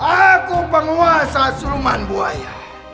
aku penguasa seluman buaya